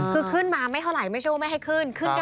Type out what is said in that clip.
คือขึ้นมาไม่เท่าไหร่ไม่ใช่ว่าไม่ให้ขึ้นขึ้นได้